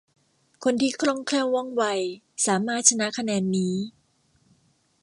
คนที่คล่องแคล่วว่องไวสามารถ ชนะคะแนนนี้